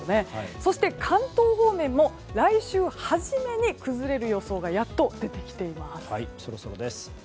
そして、関東方面も来週初めに崩れる予想がやっと出てきています。